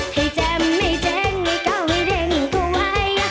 ให้จำให้แจ้งเขาให้เด็งเขาไว้